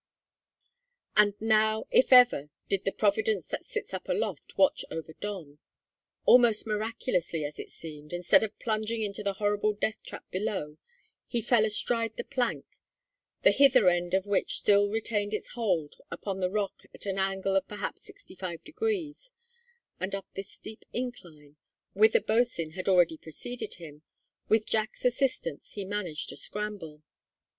[Illustration: 0223] And now, if ever, did the "Providence that sits up aloft" watch over Don. Almost miraculously, as it seemed, instead of plunging into the horrible death trap below, he fell astride the plank, the hither end of which still retained its hold upon the rock at an angle of perhaps sixty five degrees; and up this steep incline whither Bosin had already preceded him with Jack's assistance he managed to scramble.